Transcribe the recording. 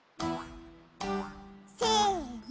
せの！